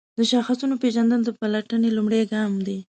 د شاخصونو پیژندل د پلټنې لومړی ګام دی.